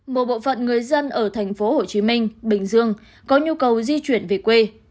một bộ phận người dân ở thành phố hồ chí minh bình dương có nhu cầu di chuyển về quê